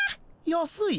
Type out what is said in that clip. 安い。